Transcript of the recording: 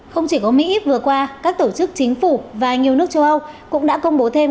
không chỉ có mỹ vừa qua các tổ chức chính phủ và nhiều nước châu âu cũng đã công bố thêm